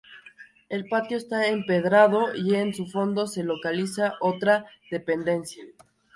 El patio está empedrado y en su fondo se localiza otra dependencia.